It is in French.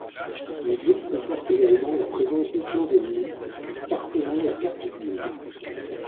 Le jeu comporte également la présence de clans ennemis parcourant la carte du monde.